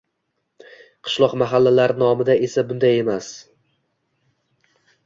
Qishloq va mahallalar nomida esa bunday emas